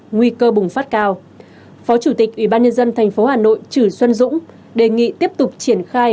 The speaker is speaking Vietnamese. nguy cơ bùng phát cao phó chủ tịch ubnd tp hà nội trữ xuân dũng đề nghị tiếp tục triển khai